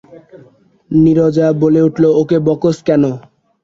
নীরজা বলে উঠল, ওকে বকছ কেন।